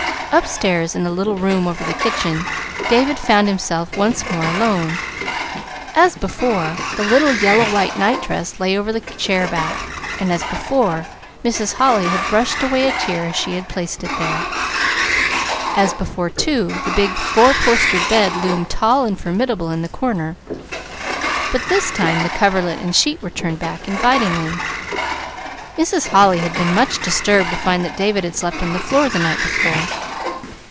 Upstairs, in the little room over the kitchen, David found himself once more alone. As before, the little yellow white nightshirt lay over the chair back; and as before, Mrs. Holly had brushed away a tear as she had placed it there. As before, too, the big four posted bed loomed tall and formidable in the corner. But this time the coverlet and sheet were turned back invitingly Mrs. Holly had been much disturbed to find that David had slept on the floor the night before.